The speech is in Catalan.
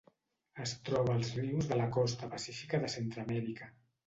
Es troba als rius de la costa pacífica de Centreamèrica.